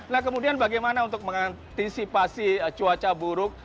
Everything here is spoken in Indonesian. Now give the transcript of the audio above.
nah kemudian bagaimana untuk mengantisipasi cuaca buruk